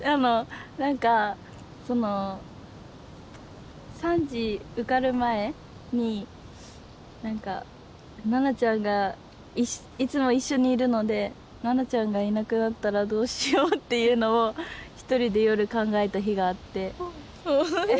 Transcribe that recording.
何かその３次受かる前に菜那ちゃんがいつも一緒にいるので菜那ちゃんがいなくなったらどうしようっていうのを一人で夜考えた日があって。